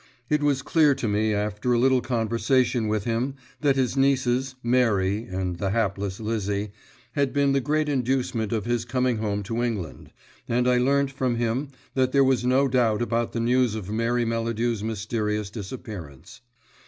It was clear to me, after a little conversation with him, that his nieces, Mary and the hapless Lizzie, had been the great inducement of his coming home to England, and I learnt from him that there was no doubt about the news of Mary Melladew's mysterious disappearance.